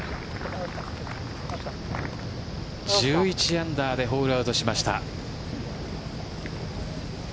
１１アンダーでホールアウトしました。